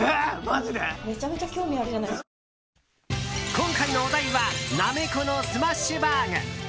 今回のお題はナメコのスマッシュバーグ。